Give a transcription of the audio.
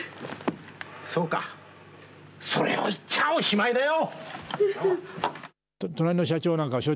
そうか、それを言っちゃおしまいだよ。